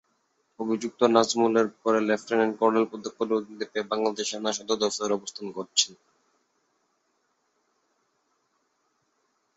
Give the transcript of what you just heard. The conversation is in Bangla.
অভিযুক্ত নাজমুল এর পরে লেফটেন্যান্ট কর্নেল পদে পদোন্নতি পেয়ে বাংলাদেশ সেনা সদর দফতরে অবস্থান করছেন।